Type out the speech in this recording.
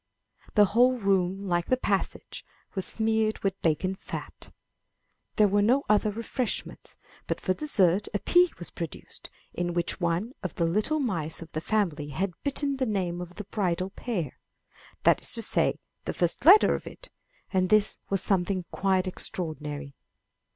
The whole room, like the passage, was smeared with bacon fat. There were no other refreshments, but for dessert a pea was pro duced, in which one of the little mice of the family had bitten the name of the bridal pair; that is to say, the first letter of it, and this was something quite extraor dinary.